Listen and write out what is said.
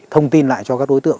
thông tin lại cho các đối tượng